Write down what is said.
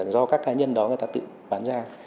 do các cá nhân đó người ta tự bán ra